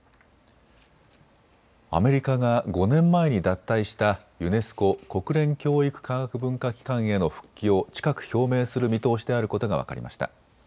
アメリカが５年前に脱退したユネスコ・国連教育科学文化機関への復帰を近く表明する見通しであることが分かりました。